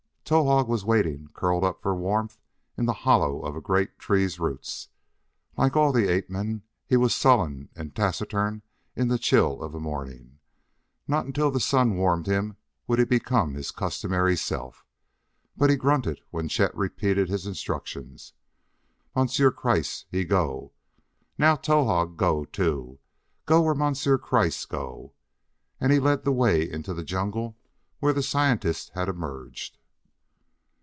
Towahg was waiting, curled up for warmth in the hollow of a great tree's roots. Like all the ape men he was sullen and taciturn in the chill of the morning. Not until the sun warmed him would he become his customary self. But he grunted when Chet repeated his instructions, "Monsieur Kreiss, he go! Now Towahg go too go where Monsieur Kreiss go!" and he led the way into the jungle where the scientist had emerged.